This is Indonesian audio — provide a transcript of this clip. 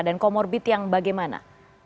dan comorbid yang bagaimana